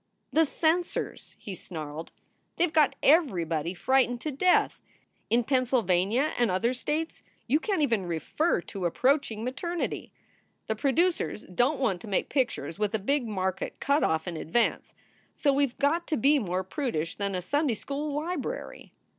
" "The censors!" he snarled. "They ve got everybody 294 SOULS FOR SALE frightened to death. In Pennsylvania and other states you can t even refer to approaching maternity. The producers don t want to make pictures with a big market cut off in advance, so we ve got to be more prudish than a Sunday school library.